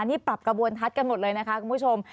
นี่ปรับกระบวนทัศน์กันหมดเลยนะคะคุณผู้ชม